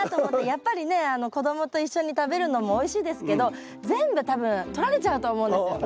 やっぱりね子供と一緒に食べるのもおいしいですけど全部多分取られちゃうと思うんですよ。